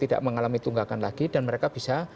tidak mengalami tunggakan lagi dan mereka bisa